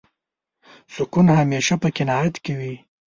سکون همېشه په قناعت کې وي.